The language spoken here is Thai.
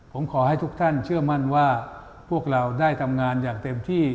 ผมขอให้ทุกท่านเชื่อมั่นว่าพวกเราได้ทำงานอย่างเต็มที่